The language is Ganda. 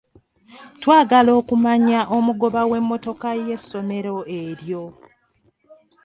Twayagala okumanya omugoba w’emmotoka ye ssomero eryo.